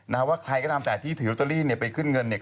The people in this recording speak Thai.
แล้วใครก็ตามแต่ที่ถือรอตเตอรี่ไปขึ้นเงิน